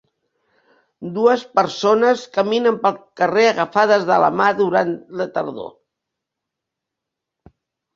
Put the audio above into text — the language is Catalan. Dues persones caminen pel carrer agafades de la mà durant la tardor.